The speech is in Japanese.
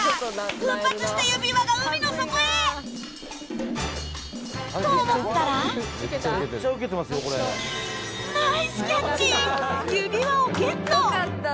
奮発した指輪が海の底へと思ったら指輪をゲット